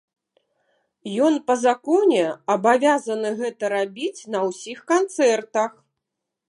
Ён па законе абавязаны гэта рабіць на ўсіх канцэртах.